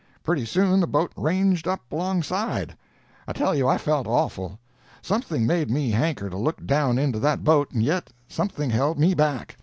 Pretty soon the boat ranged up alongside—I tell you I felt awful—something made me hanker to look down into that boat, and yet something held me back.